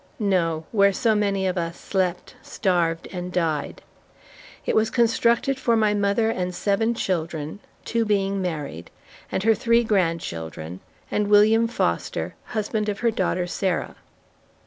No! Where so many of us slept, starved, and died! It was constructed for my mother and seven children (two being married) and her three grandchildren, and William Foster, husband of her daughter Sarah.